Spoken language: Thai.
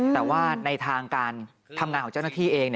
แต่ว่าในทางการทำงานของเจ้าหน้าที่เอง